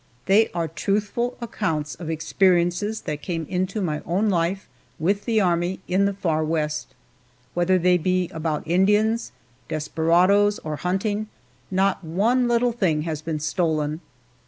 They are truthful accounts of experiences that came into my own life with the Army in the far West, whether they be about Indians, desperadoes, or hunting not one little thing has been stolen.